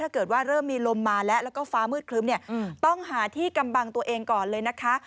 ถ้าเกิดว่าเริ่มมีลมมาแล้วแล้วก็ฟ้ามืดครึ้มเนี่ยต้องหาที่กำบังตัวเองก่อนเลยนะคะ